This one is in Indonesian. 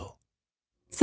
kakekku beri saya